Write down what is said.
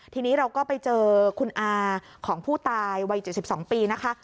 ทีนี้เราก็ไปเจอคุณอาของผู้ตายวัย๗๒ปีนะคะ